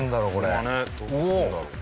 車ねどうするんだろう？